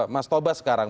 mas tobas sekarang